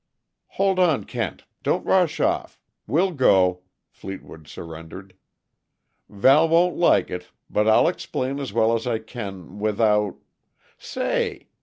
"Hold on, Kent! Don't rush off we'll go," Fleetwood surrendered. "Val won't like it, but I'll explain as well as I can, without Say!